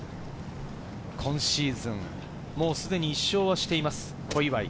今シーズン、すでに１勝はしています、小祝。